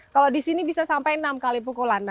kalau disini bisa sampai enam kali pukulan